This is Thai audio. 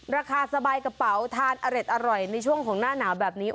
ราคาสบายกระเป๋าทานอร็ดอร่อยในช่วงของหน้าหนาวแบบนี้